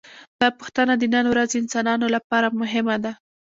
دا پوښتنه د نن ورځې انسانانو لپاره مهمه ده.